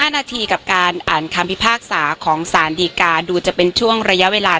๕นาทีกับการอ่านคำพิพากษาของสารดีกาดูจะเป็นช่วงระยะเวลา